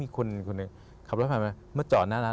คือขับรถผ่านมามาเจาะหน้าร้าน